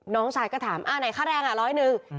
น้องชายก็ถามอ่าไหนค่าแรงอ่ะร้อยหนึ่ง